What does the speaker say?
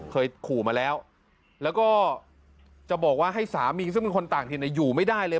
เคยขู่มาแล้วแล้วก็จะบอกว่าให้สามีซึ่งเป็นคนต่างถิ่นอยู่ไม่ได้เลย